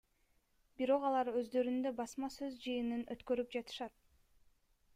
Бирок алар өздөрүндө басма сөз жыйынын өткөрүп жатышат.